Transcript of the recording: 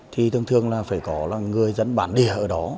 thì thường thường là phải có người dẫn bán địa ở đó